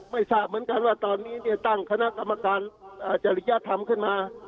ไม่ทราบเหมือนกันว่าตอนนี้ตั้งคณะกรรมการจริยธรรมขึ้นมา